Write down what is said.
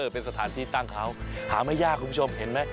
เป็นสถานที่ตั้งเขาหาไม่ยากคุณผู้ชมเห็นไหม